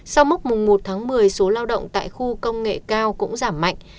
sau mốc mùng một một mươi số lao động tại khu công nghệ cao cũng giảm xuống